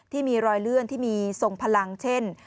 ที่มีรอยเลื่อนที่มีทรงพลังเช่น